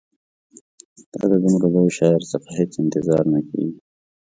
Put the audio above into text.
دا د دومره لوی شاعر څخه هېڅ انتظار نه کیږي.